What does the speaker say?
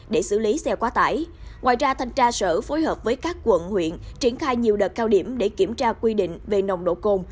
để xử lý xe quá tải ngoài ra thanh tra sở phối hợp với các quận huyện triển khai nhiều đợt cao điểm để kiểm tra quy định về nồng độ cồn